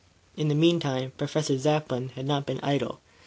In the meantime, Professor Zepplin had not been idle.